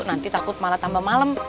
nanti takut malah tambah malem